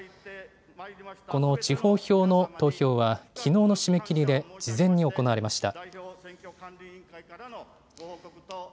この地方票の投票は、きのうの締め切りで事前に行われました。